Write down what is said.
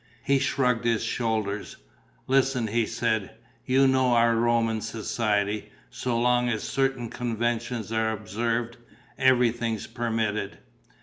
He shrugged his shoulders: "Listen," he said. "You know our Roman society. So long as certain conventions are observed ... everything's permitted."